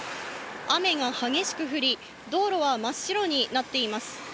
雨が激しく降り、道路は真っ白になっています。